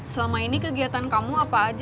selama ini kegiatan kamu apa aja